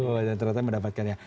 oh dan ternyata mendapatkan ya